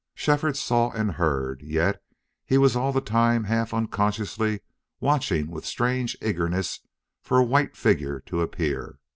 Shefford saw and heard, yet he was all the time half unconsciously watching with strange eagerness for a white figure to appear.